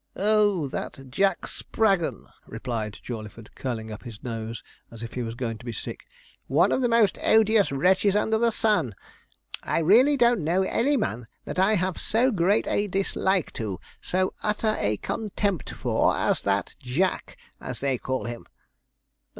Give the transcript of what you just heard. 'Oh, that Jack Spraggon,' replied Jawleyford, curling up his nose, as if he was going to be sick; 'one of the most odious wretches under the sun. I really don't know any man that I have so great a dislike to, so utter a contempt for, as that Jack, as they call him.'